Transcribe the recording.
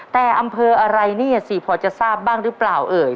แต่อำเภออะไรนี่สิพอจะทราบบ้างหรือเปล่าเอ่ย